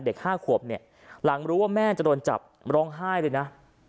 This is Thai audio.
๕ขวบเนี่ยหลังรู้ว่าแม่จะโดนจับร้องไห้เลยนะ